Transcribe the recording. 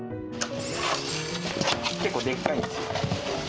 結構でっかいんですよ。